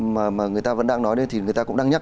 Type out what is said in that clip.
mà người ta vẫn đang nói đây thì người ta cũng đang nhắc